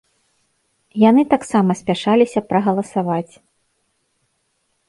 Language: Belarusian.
Яны таксама спяшаліся прагаласаваць.